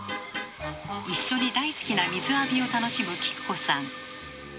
一緒に大好きな水浴びを楽しむキク子さん。